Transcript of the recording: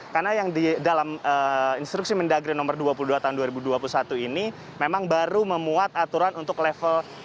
karena yang di dalam instruksi mendagri nomor dua puluh dua tahun dua ribu dua puluh satu ini memang baru memuat aturan untuk level tiga